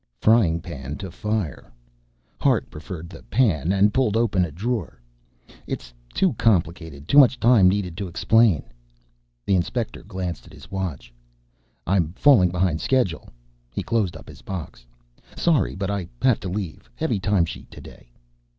Frying pan to fire. Hart preferred the pan and pulled open a drawer. "It's too complicated, too much time needed to explain!" The Inspector glanced at his watch. "I'm falling behind schedule." He closed up his box. "Sorry, but I have to leave. Heavy time sheet today."